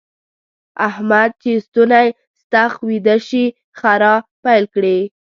احمد چې ستونی ستخ ويده شي؛ خرا پيل کړي.